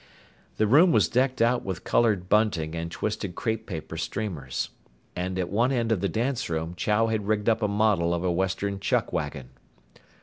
The room was decked out with colored bunting and twisted crepe paper streamers. And at one end of the dance room, Chow had rigged up a model of a Western chuck wagon.